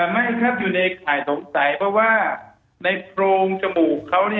ไม่ครับอยู่ในข่ายสงสัยเพราะว่าในโพรงจมูกเขา